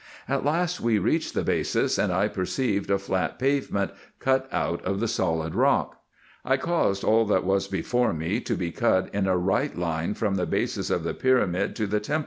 At last we reached the basis, and 1 perceived a flat pavement cut out of the solid rock. I caused all that was before me to be cut in a right line from the basis of the pyramid to the temple?